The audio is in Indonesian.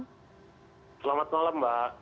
selamat malam mbak